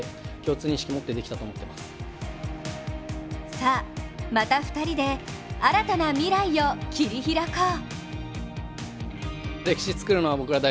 さあ、また２人で新たな未来を切り開こう。